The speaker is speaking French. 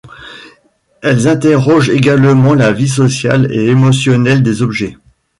Elles interrogent également la vie sociale et émotionnelle des objets.